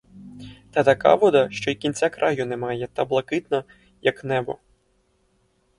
Та така вода, що й кінця й краю немає та блакитна, як небо.